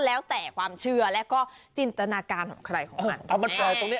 แล้วแต่ความเชื่อและก็จินตนาการของคำว่ามัน